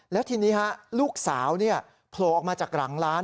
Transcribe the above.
แล้วทีนี้ลูกสาวโผล่ออกมาจากหลังร้าน